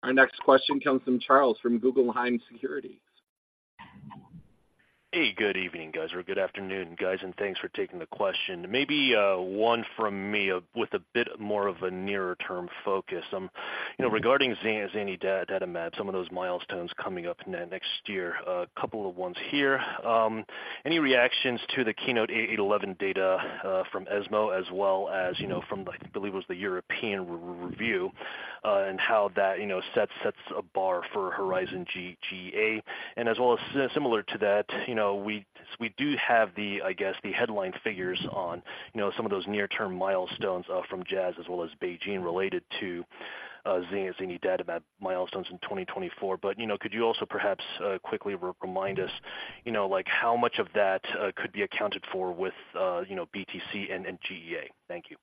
Our next question comes from Charles, from Guggenheim Securities. Hey, good evening, guys, or good afternoon, guys, and thanks for taking the question. Maybe one from me with a bit more of a nearer term focus. You know, regarding Zanidatamab, some of those milestones coming up next year. A couple of ones here. Any reactions to the KEYNOTE-811 data from ESMO, as well as, you know, from, I believe, it was the European re-review, and how that, you know, sets a bar for HERIZON-GEA? And as well as similar to that, you know, we do have the, I guess, the headline figures on, you know, some of those near-term milestones from Jazz as well as BeiGene, related to Zanidatamab milestones in 2024. But, you know, could you also perhaps quickly remind us, you know, like, how much of that could be accounted for with, you know, BTC and GEA? Thank you.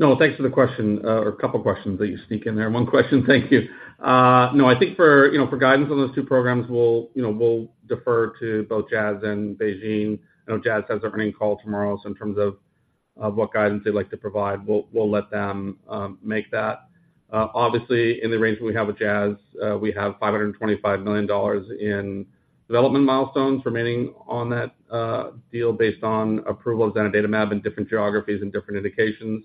No, thanks for the question, or a couple questions that you sneak in there. One question, thank you. No, I think for, you know, for guidance on those two programs, we'll, you know, we'll defer to both Jazz and BeiGene. I know Jazz has their earnings call tomorrow, so in terms of, of what guidance they'd like to provide, we'll, we'll let them make that. Obviously, in the arrangement we have with Jazz, we have $525 million in development milestones remaining on that deal based on approval of Zanidatamab in different geographies and different indications.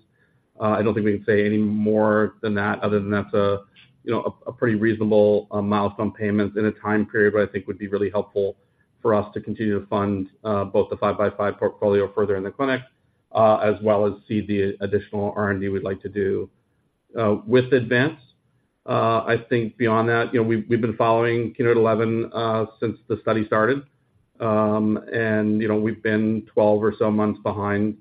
I don't think we can say any more than that other than that's a, you know, a pretty reasonable milestone payment in a time period that I think would be really helpful for us to continue to fund both the five-by-five portfolio further in the clinic, as well as see the additional R&D we'd like to do with Advance. I think beyond that, you know, we've been following keynote eleven since the study started. And, you know, we've been 12 or so months behind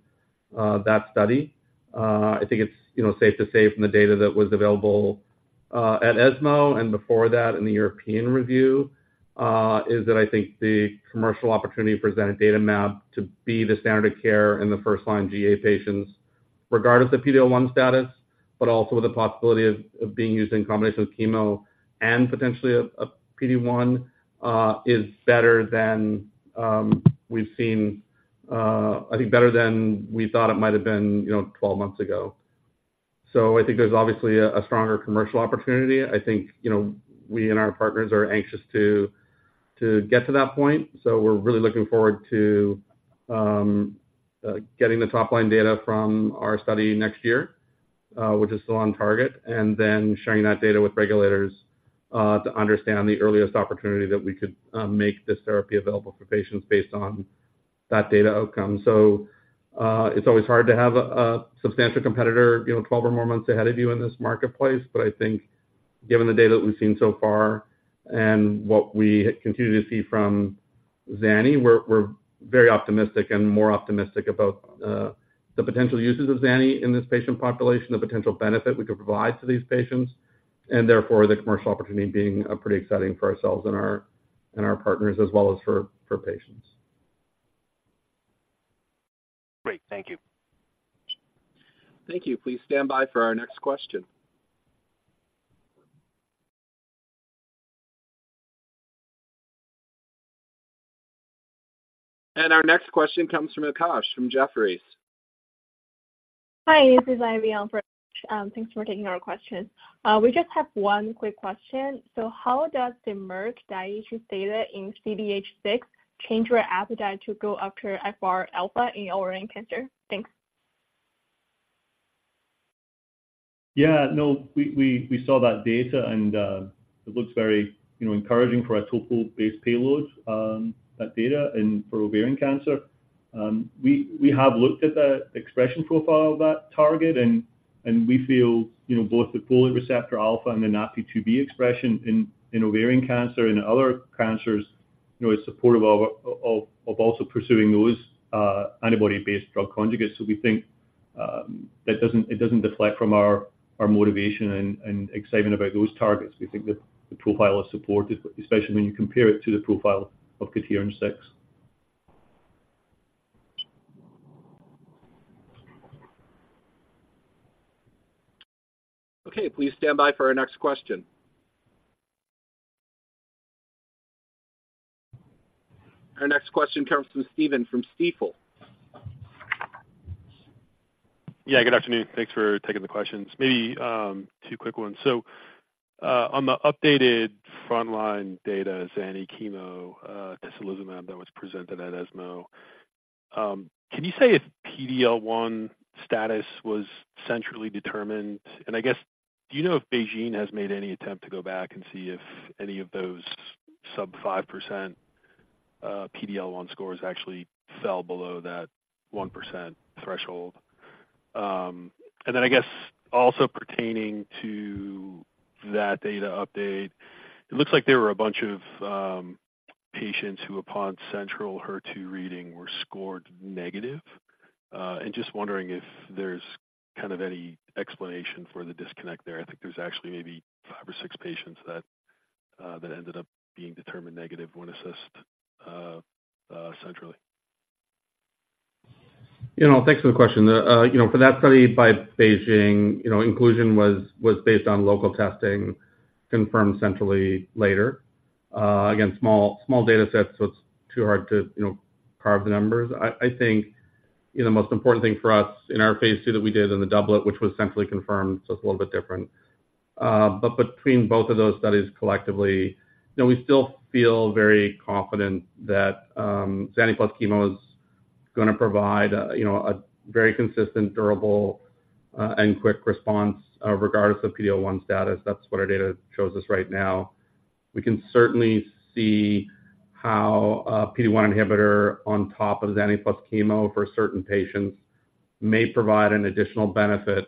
that study. I think it's, you know, safe to say from the data that was available at ESMO and before that in the European review is that I think the commercial opportunity for Zanidatamab to be the standard of care in the first-line GA patients, regardless of PD-L1 status, but also with the possibility of being used in combination with chemo and potentially a PD-1 is better than we've seen. I think better than we thought it might have been, you know, 12 months ago. So I think there's obviously a stronger commercial opportunity. I think, you know, we and our partners are anxious to get to that point, so we're really looking forward to getting the top-line data from our study next year, which is still on target, and then sharing that data with regulators to understand the earliest opportunity that we could make this therapy available for patients based on that data outcome. It's always hard to have a substantial competitor, you know, 12 or more months ahead of you in this marketplace, but I think given the data that we've seen so far and what we continue to see from Zanidatamab, we're very optimistic and more optimistic about the potential uses of Zanidatamab in this patient population, the potential benefit we could provide to these patients, and therefore, the commercial opportunity being pretty exciting for ourselves and our partners as well as for patients. Great. Thank you. Thank you. Please stand by for our next question. Our next question comes from Akash from Jefferies. Hi, this is Ivy on for Akash, Thanks for taking our question. We just have one quick question. So how does the Merck and Daiichi data in CDH6 change your appetite to go after FR alpha in ovarian cancer? Thanks. Yeah, no, we saw that data, and it looks very, you know, encouraging for our TOPO1-based payload, that data in for ovarian cancer. We have looked at the expression profile of that target, and we feel, you know, both the folate receptor alpha and the NaPi-2b expression in ovarian cancer and other cancers, you know, is supportive of also pursuing those antibody-based drug conjugates. So we think that doesn't, it doesn't deflect from our motivation and excitement about those targets. We think that the profile is supportive, especially when you compare it to the profile of CDH6. Okay, please stand by for our next question. Our next question comes from Stephen, from Stifel. Yeah, good afternoon. Thanks for taking the questions. Maybe two quick ones. So, on the updated frontline data, Zanidatamab chemo, tislelizumab, that was presented at ESMO, can you say if PD-L1 status was centrally determined? And I guess, do you know if BeiGene has made any attempt to go back and see if any of those sub 5% PD-L1 scores actually fell below that 1% threshold? And then I guess also pertaining to that data update, it looks like there were a bunch of patients who, upon central HER2 reading, were scored negative. And just wondering if there's kind of any explanation for the disconnect there. I think there's actually maybe five or six patients that ended up being determined negative when assessed centrally. You know, thanks for the question. You know, for that study by BeiGene, you know, inclusion was based on local testing, confirmed centrally later. Again, small data set, so it's too hard to, you know, carve the numbers. I think, you know, the most important thing for us in our phase II that we did in the doublet, which was centrally confirmed, so it's a little bit different.... but between both of those studies collectively, you know, we still feel very confident that, Xani plus chemo is gonna provide, you know, a very consistent, durable, and quick response, regardless of PD-L1 status. That's what our data shows us right now. We can certainly see how a PD-1 inhibitor on top of Xani plus chemo for certain patients may provide an additional benefit,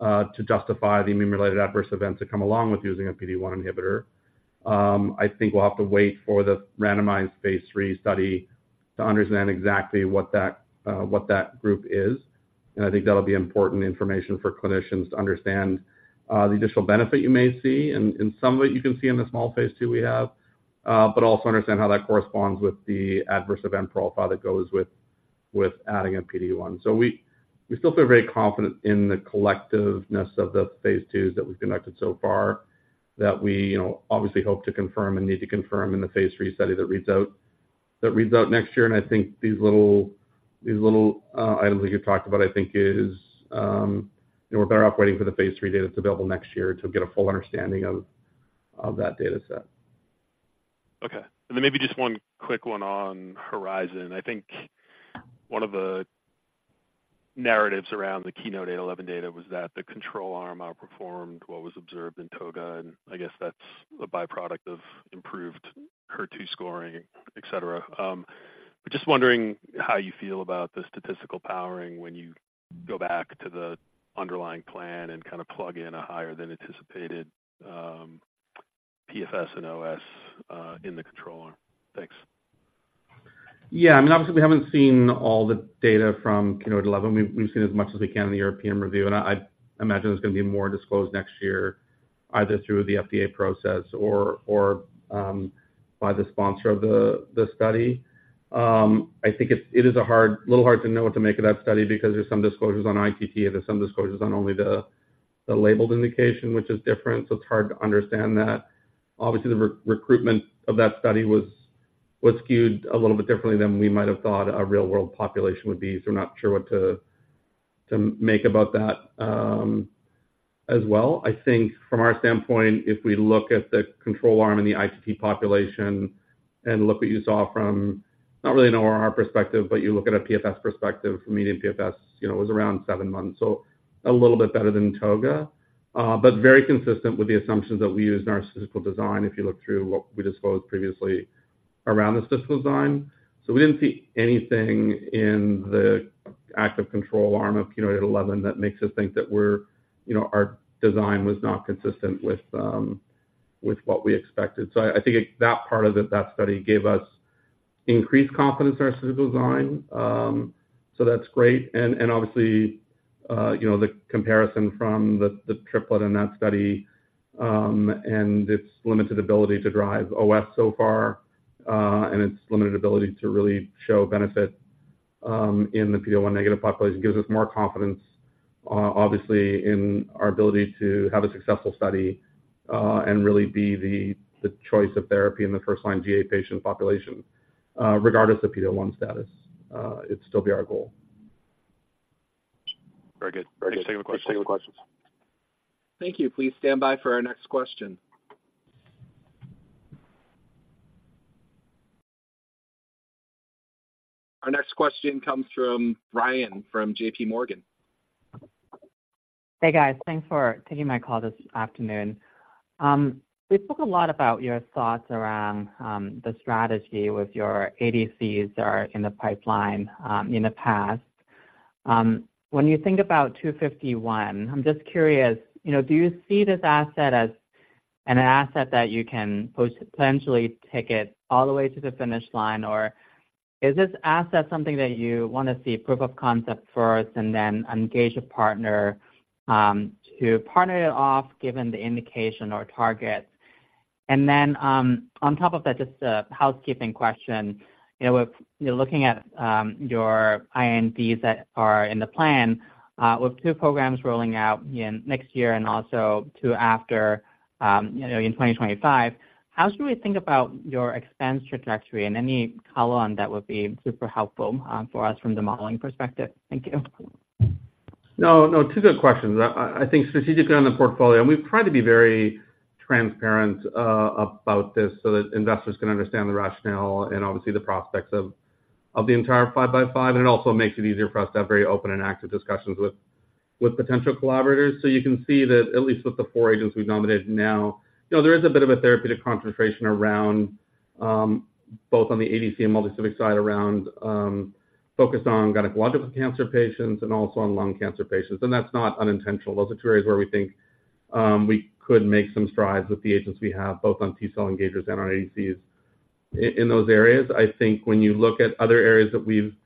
to justify the immune-related adverse events that come along with using a PD-1 inhibitor. I think we'll have to wait for the randomized phase III study to understand exactly what that, what that group is, and I think that'll be important information for clinicians to understand, the additional benefit you may see. And some of it you can see in the small phase II we have, but also understand how that corresponds with the adverse event profile that goes with adding a PD-1. So we still feel very confident in the collectiveness of the phase II that we've conducted so far, that we you know, obviously hope to confirm and need to confirm in the phase III study that reads out next year. And I think these little items that you talked about, I think is you know, we're better off waiting for the phase III data that's available next year to get a full understanding of that data set. Okay. And then maybe just one quick one on HERIZON. I think one of the narratives around the Keynote-811 data was that the control arm outperformed what was observed in TOGA, and I guess that's a byproduct of improved HER2 scoring, et cetera. But just wondering how you feel about the statistical powering when you go back to the underlying plan and kind of plug in a higher than anticipated PFS and OS in the control arm. Thanks. Yeah, I mean, obviously, we haven't seen all the data from KEYNOTE-811. We've seen as much as we can in the European review, and I imagine there's gonna be more disclosed next year, either through the FDA process or by the sponsor of the study. I think it's a little hard to know what to make of that study because there's some disclosures on IHC, there's some disclosures on only the labeled indication, which is different, so it's hard to understand that. Obviously, the recruitment of that study was skewed a little bit differently than we might have thought a real-world population would be, so we're not sure what to make about that, as well. I think from our standpoint, if we look at the control arm in the ITT population and look what you saw from, not really an ORR perspective, but you look at a PFS perspective, the median PFS, you know, was around seven months, so a little bit better than TOGA. But very consistent with the assumptions that we used in our statistical design, if you look through what we disclosed previously around the statistical design. So we didn't see anything in the active control arm of KEYNOTE-811 that makes us think that we're, you know, our design was not consistent with what we expected. So I think that part of it, that study gave us increased confidence in our statistical design. So that's great. And obviously, you know, the comparison from the triplet in that study and its limited ability to drive OS so far and its limited ability to really show benefit in the PD-L1 negative population gives us more confidence, obviously, in our ability to have a successful study and really be the choice of therapy in the first-line GA patient population. Regardless of PD-L1 status, it'd still be our goal. Very good. Very good. Thanks for taking the questions. Thank you. Please stand by for our next question. Our next question comes from Brian from JPMorgan. Hey, guys. Thanks for taking my call this afternoon. We spoke a lot about your thoughts around the strategy with your ADCs or in the pipeline in the past. When you think about 251, I'm just curious, you know, do you see this asset as an asset that you can potentially take it all the way to the finish line? Or is this asset something that you want to see proof of concept first and then engage a partner to partner it off given the indication or targets? And then, on top of that, just a housekeeping question: you know, if you're looking at your INDs that are in the plan, with two programs rolling out next year and also two after, you know, in 2025, how should we think about your expense trajectory? Any color on that would be super helpful, for us from the modeling perspective. Thank you. No, no, two good questions. I think strategically on the portfolio, and we've tried to be very transparent about this so that investors can understand the rationale and obviously the prospects of the entire five by five, and it also makes it easier for us to have very open and active discussions with potential collaborators. So you can see that at least with the four agents we've nominated now, you know, there is a bit of a therapeutic concentration around both on the ADC and multispecific side around focused on gynecological cancer patients and also on lung cancer patients. And that's not unintentional. Those are two areas where we think we could make some strides with the agents we have, both on T-cell engagers and on ADCs in those areas. I think when you look at other areas that we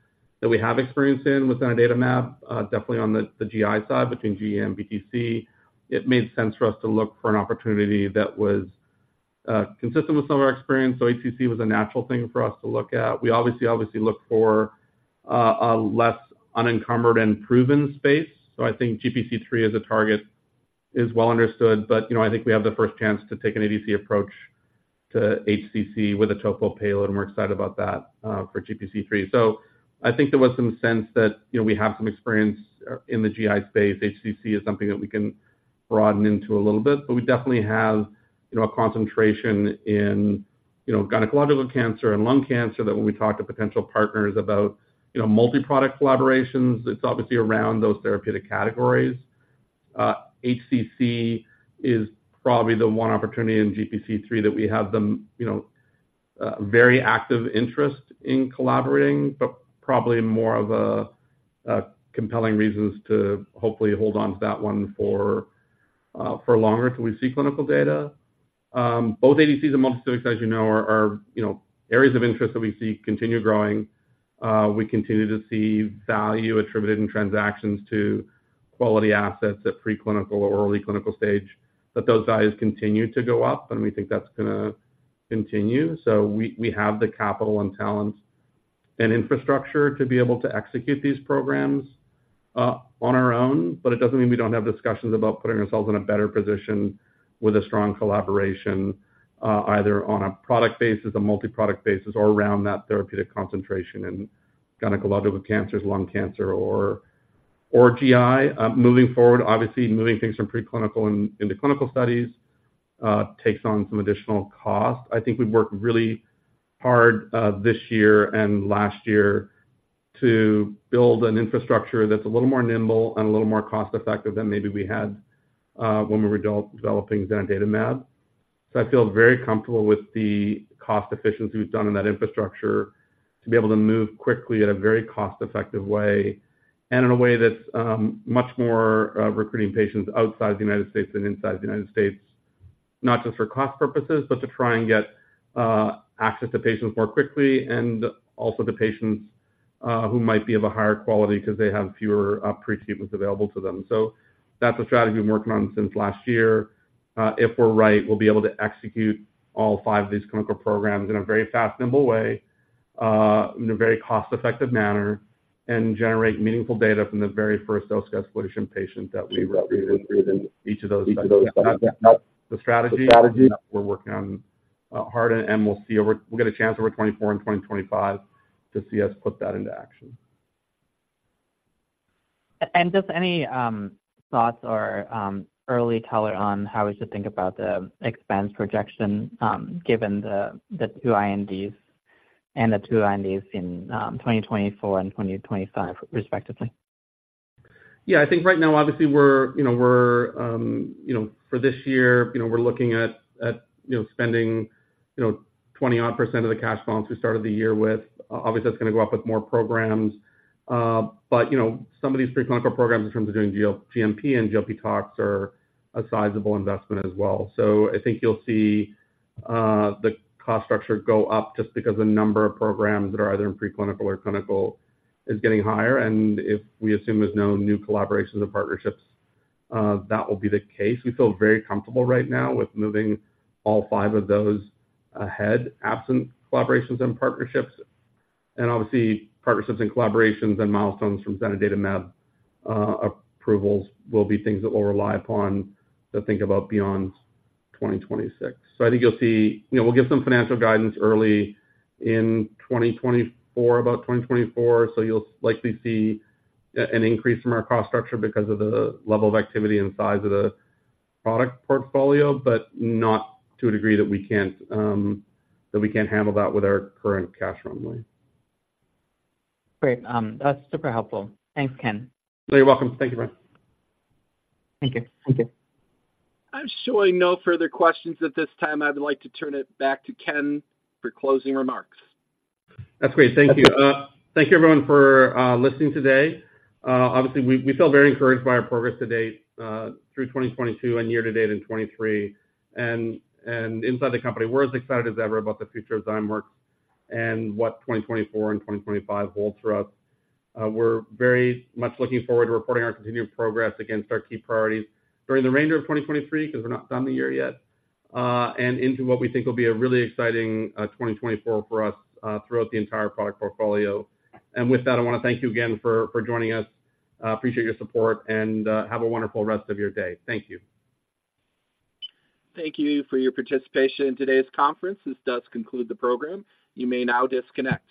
have experience in within our domain, definitely on the GI side, between GEA and BTC, it made sense for us to look for an opportunity that was consistent with some of our experience, so HCC was a natural thing for us to look at. We obviously look for an unencumbered and proven space, so I think GPC3 as a target is well understood. But, you know, I think we have the first chance to take an ADC approach to HCC with a topo payload, and we're excited about that for GPC3. So I think there was some sense that, you know, we have some experience in the GI space. HCC is something that we can broaden into a little bit, but we definitely have, you know, a concentration in, you know, gynecological cancer and lung cancer, that when we talk to potential partners about, you know, multi-product collaborations, it's obviously around those therapeutic categories. HCC is probably the one opportunity in GPC3 that we have the, you know, very active interest in collaborating, but probably more of a compelling reasons to hopefully hold on to that one for longer till we see clinical data. Both ADCs and monoclonics, as you know, are areas of interest that we see continue growing. We continue to see value attributed in transactions to quality assets at preclinical or early clinical stage, that those values continue to go up, and we think that's gonna continue. So we have the capital and talent and infrastructure to be able to execute these programs on our own, but it doesn't mean we don't have discussions about putting ourselves in a better position with a strong collaboration, either on a product basis, a multi-product basis, or around that therapeutic concentration in gynecological cancers, lung cancer, or GI. Moving forward, obviously, moving things from preclinical and into clinical studies takes on some additional cost. I think we've worked really hard this year and last year to build an infrastructure that's a little more nimble and a little more cost-effective than maybe we had when we were developing Zanidatamab. So I feel very comfortable with the cost efficiency we've done in that infrastructure to be able to move quickly at a very cost-effective way, and in a way that's much more recruiting patients outside the US than inside the US, not just for cost purposes, but to try and get access to patients more quickly, and also the patients who might be of a higher quality because they have fewer pre-treatments available to them. So that's a strategy we've been working on since last year. If we're right, we'll be able to execute all five of these clinical programs in a very fast, nimble way, in a very cost-effective manner, and generate meaningful data from the very first dose escalation patient that we recruit in each of those. That's the strategy we're working on hard, and we'll see over... We'll get a chance over 2024 and 2025 to see us put that into action. And just any thoughts or early color on how we should think about the expense projection, given the two INDs and the two INDs in 2024 and 2025 respectively? Yeah. I think right now, obviously, we're, you know, for this year, you know, we're looking at, you know, spending, you know, 20-odd% of the cash balance we started the year with. Obviously, that's gonna go up with more programs. But, you know, some of these preclinical programs in terms of doing GMP and GLP tox are a sizable investment as well. So I think you'll see the cost structure go up just because the number of programs that are either in preclinical or clinical is getting higher, and if we assume there's no new collaborations or partnerships, that will be the case. We feel very comfortable right now with moving all five of those ahead, absent collaborations and partnerships. Obviously, partnerships and collaborations and milestones from Zanidatamab approvals will be things that we'll rely upon to think about beyond 2026. So I think you'll see... You know, we'll give some financial guidance early in 2024, about 2024, so you'll likely see an increase from our cost structure because of the level of activity and size of the product portfolio, but not to a degree that we can't, that we can't handle that with our current cash runway. Great. That's super helpful. Thanks, Ken. You're welcome. Thank you, Brian. Thank you. Thank you. I'm showing no further questions at this time. I would like to turn it back to Ken for closing remarks. That's great. Thank you. Thank you, everyone, for listening today. Obviously, we feel very encouraged by our progress to date through 2022 and year to date in 2023. And inside the company, we're as excited as ever about the future of Zymeworks and what 2024 and 2025 holds for us. We're very much looking forward to reporting our continuing progress against our key priorities during the remainder of 2023, because we're not done the year yet, and into what we think will be a really exciting 2024 for us throughout the entire product portfolio. And with that, I wanna thank you again for joining us. Appreciate your support, and have a wonderful rest of your day. Thank you. Thank you for your participation in today's conference. This does conclude the program. You may now disconnect.